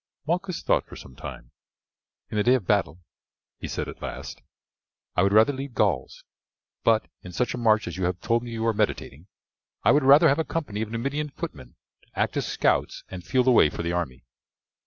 Malchus thought for some time. "In the day of battle," he said at last, "I would rather lead Gauls, but, in such a march as you have told me you are meditating, I would rather have a company of Numidian footmen to act as scouts and feel the way for the army.